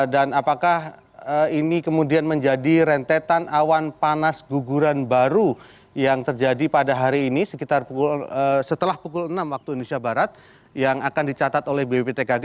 dan apakah ini kemudian menjadi rentetan awan panas guguran baru yang terjadi pada hari ini setelah pukul enam waktu indonesia barat yang akan dicatat oleh bbb tkg